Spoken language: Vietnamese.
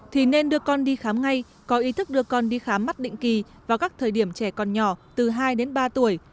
thì nên đưa con đi khám ngay có ý thức đưa con đi khám mắt định kỳ vào các thời điểm trẻ còn nhỏ từ hai đến ba tuổi